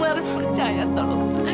kamu harus percaya tolong